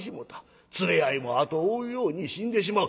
連れ合いも後を追うように死んでしまう。